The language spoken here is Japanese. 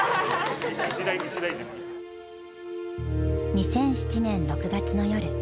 ２００７年６月の夜。